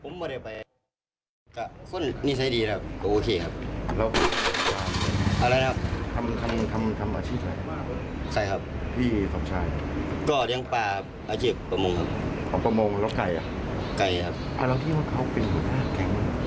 อ๋อไม่ครับเป็นหัวหน้าแก๊งก็วัดขับได้นะ